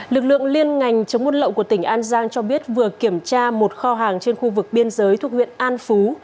lực lượng liên ngành chống buôn lậu của tỉnh an giang cho biết vừa kiểm tra một kho hàng trên khu vực biên giới thuộc huyện an phú